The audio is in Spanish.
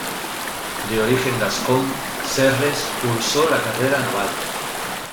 De origen gascón, Serres cursó la carrera naval.